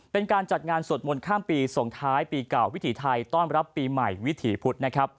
เป็นการจัดงานสวดมนต์ข้ามปีส่งท้ายปีเก่าวิถีไทยต้อนรับปีใหม่วิถีพุธนะครับ